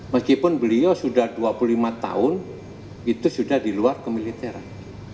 meskipun beliau sudah dua puluh lima tahun itu sudah di luar kemiliteran